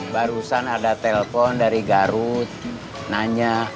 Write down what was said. barusan ada telpon dari garut nanya